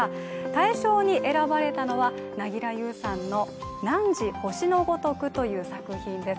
対象に選ばれたのは凪良ゆうさんの「汝、星のごとく」という作品です。